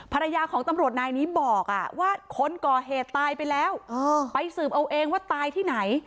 ภรรยาของตำรวจนายนี้บอกว่าคนก่อเหตุตายไปแล้วไปสืบเอาเองว่าตายที่ไหน